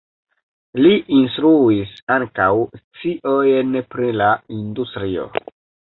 Li instruis ankaŭ sciojn pri la industrio.